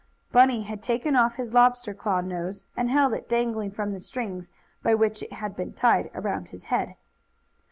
Bunny had taken off his lobster claw nose, and held it dangling from the strings by which it had been tied around his head.